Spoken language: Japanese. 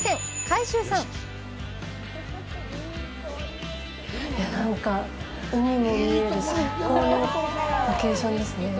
いやなんか、海も見える最高のロケーションですね。